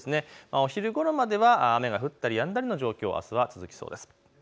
お昼ごろまでは雨が降ったりやんだりの状況、あすは続きそうです。